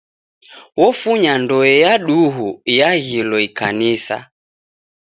Ofunya ndoe ya duhu iaghilo ikanisa.